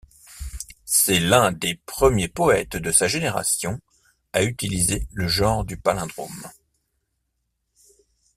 C'est l'un des premiers poètes de sa génération à utiliser le genre du palindrome.